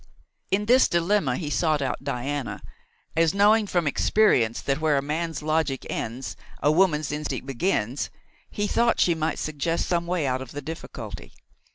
In this dilemma he sought out Diana, as, knowing from experience that where a man's logic ends a woman's instinct begins, he thought she might suggest some way out of the difficulty.